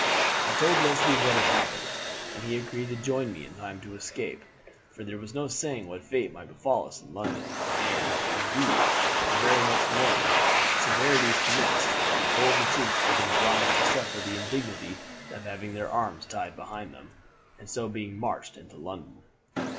"I told Leslie what had happened, and he agreed to join me in time to escape, for there was no saying what fate might befall us in London; and, indeed, the very next morning severities commenced, the whole of the troops being obliged to suffer the indignity of having their arms tied behind them, and so being marched into London.